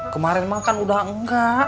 kemarin makan udah engga